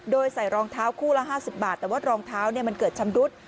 โดยใส่รองเท้าคู่ละ๕๐บาทแต่ว่ารองเท้ามันเกิดชำรุด